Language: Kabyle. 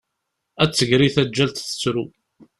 Ad d-tegri tağğalt tettru.